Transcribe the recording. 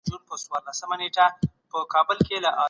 خو غوږ ورته ونيسئ.